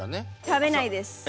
食べないです。